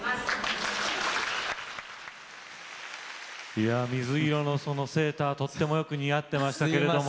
いや水色のセーターとってもよく似合ってましたけれども。